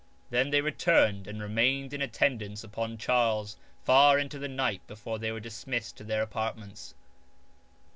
Then they returned and remained in attendance upon Charles far into the night before they were dismissed to their apartments.